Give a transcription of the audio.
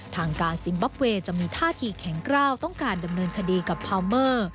ทางการซิมบับเวย์จะมีท่าทีแข็งกล้าวต้องการดำเนินคดีกับพาวเมอร์